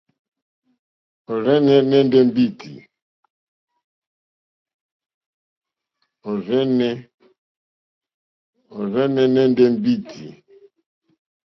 Òrzìɲɛ́ nɛ́ndɛ̀ mbîtí.